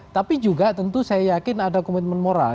tapi juga tentu saya yakin ada komitmen moral